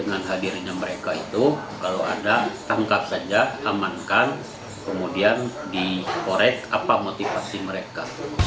dengan hadirnya mereka itu kalau ada tangkap saja amankan kemudian dikorek apa motivasi mereka